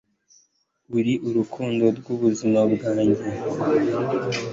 uri urukundo rwubuzima bwanjye